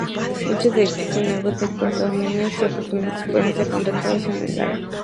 Muchos edificios nuevos de condominios y apartamentos pueden ser encontrados en el área.